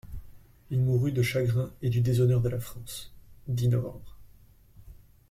Il mourut de chagrin et du déshonneur de la France (dix nov.